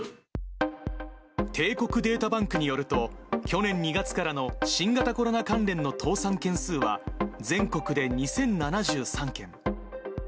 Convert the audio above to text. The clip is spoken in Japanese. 帝国データバンクによると、去年２月からの新型コロナ関連の倒産件数は全国で２０７３件。